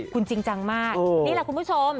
คุณจริงจังมากนี่แหละคุณผู้ชม